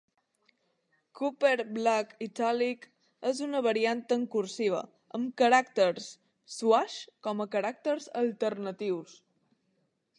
Cooper Black Italic és una variant en cursiva, amb caràcters swash com a caràcters alternatius.